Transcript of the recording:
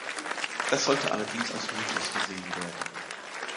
Das sollte allerdings als Mythos gesehen werden.